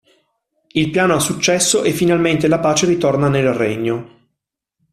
Il piano ha successo e finalmente la pace ritorna nel regno.